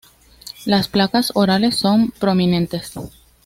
Las placas orales son prominentes.